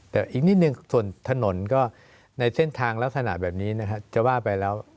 แต่อีกนิดนึงส่วนถนนก็ในเส้นทางลักษณะแบบนี้นะครับจะว่าไปแล้ว